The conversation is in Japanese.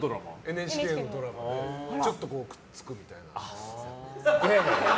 ＮＨＫのドラマでちょっとくっつくという。